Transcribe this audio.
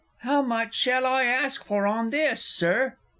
'Ow much shall I ask for on this, Sir?